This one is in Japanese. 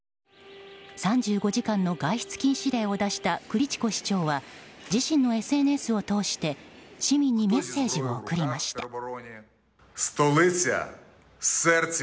３５時間の外出禁止令を出したクリチコ市長は自身のＳＮＳを通して市民にメッセージを送りました。